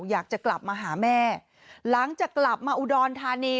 อยากจะกลับมาหาแม่หลังจากกลับมาอุดรธานี